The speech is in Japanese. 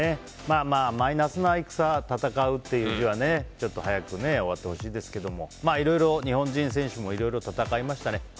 まあマイナスな「戦」という字はちょっと早く終わってほしいですけどいろいろ、日本人選手もいろいろ戦いましたね。